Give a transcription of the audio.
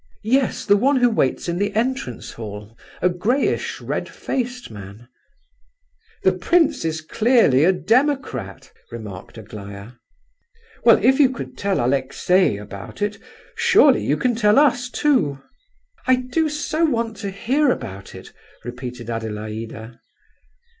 "Yes, the one who waits in the entrance hall, a greyish, red faced man—" "The prince is clearly a democrat," remarked Aglaya. "Well, if you could tell Aleksey about it, surely you can tell us too." "I do so want to hear about it," repeated Adelaida.